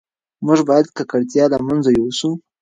موږ باید ککړتیا له منځه یوسو.